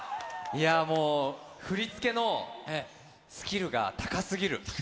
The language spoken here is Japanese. もう振り付けのスキルが高す高すぎる？